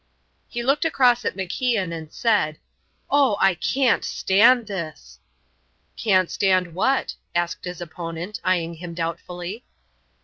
He looked across at MacIan and said: "Oh, I can't stand this!" "Can't stand what?" asked his opponent, eyeing him doubtfully.